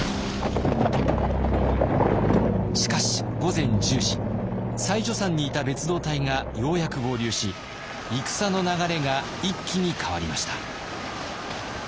しかし午前１０時妻女山にいた別動隊がようやく合流し戦の流れが一気に変わりました。